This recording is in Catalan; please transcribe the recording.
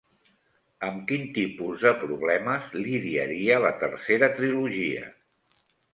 Amb quins tipus de problemes lidiaria la tercera trilogia?